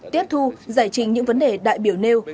tiếp thu giải trình những vấn đề đại biểu nêu